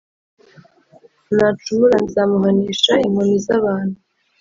nacumura nzamuhanisha inkoni z’abantu